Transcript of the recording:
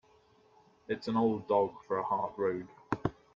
It's an old dog for a hard road.